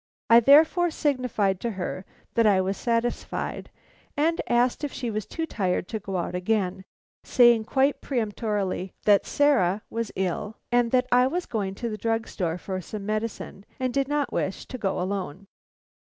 I therefore signified to her that I was satisfied, and asked if she was too tired to go out again, saying quite peremptorily that Sarah was ill, and that I was going to the drug store for some medicine, and did not wish to go alone.